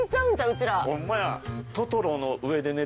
うちら。